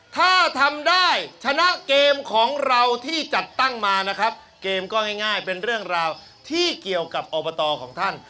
ถ้าทำได้ชนะเกมของเราที่จัดตั้งมานะครับเกมก็ง่ายเป็นเรื่องราวที่เกี่ยวกับอบตของท่าน